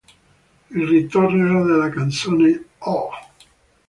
Il ritornello della canzone "Oh!